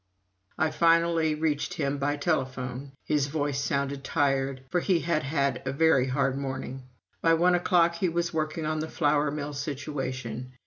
I finally reached him by telephone; his voice sounded tired, for he had had a very hard morning. By one o'clock he was working on the flour mill situation.